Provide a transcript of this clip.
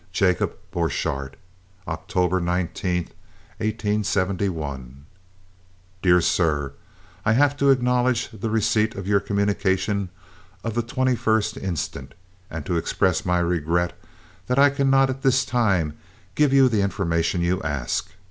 JACOB BORCHARDT. October 19, 1871. DEAR SIR,—I have to acknowledge the receipt of your communication of the 21st instant, and to express my regret that I cannot at this time give you the information you ask.